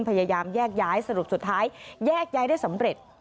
พยายามแยกย้ายสรุปสุดท้ายแยกย้ายได้สำเร็จ